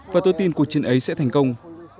và tôi tin cuộc chiến ấy sẽ thành công